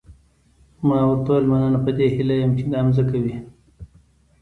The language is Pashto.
ما ورته وویل مننه په دې هیله یم چې دا مځکه وي.